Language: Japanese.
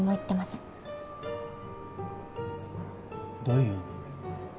どういう意味？